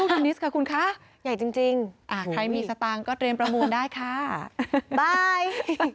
ไม่ต้องดูนิสค่ะคุณคะใครมีสตางค์ก็เตรียมประมูลได้ค่ะบ๊าย